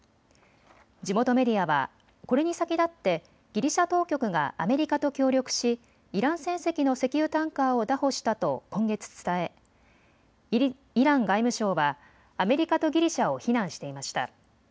地元メディアはこれに先立ってギリシャ当局がアメリカと協力しイラン船籍の石油タンカーを拿捕したと今月、伝えイラン外務省はアメリカとギリシャを非難していました。